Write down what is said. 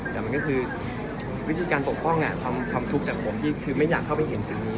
แต่มันก็คือวิธีการปกป้องความทุกข์จากผมที่คือไม่อยากเข้าไปเห็นสิ่งนี้